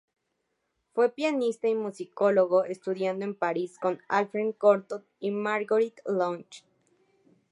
Fue pianista y musicólogo, estudiando en Paris con Alfred Cortot y Marguerite Long.